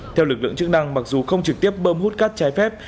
theo lực lượng chức năng mặc dù không trực tiếp bơm hút cát trái phép